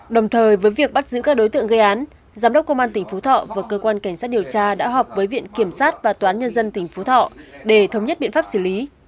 đồng thời với việc bắt giữ các đối tượng gây án giám đốc công an tỉnh phú thọ và cơ quan cảnh sát điều tra đã họp với viện kiểm sát và toán nhân dân tỉnh phú thọ để thống nhất biện pháp xử lý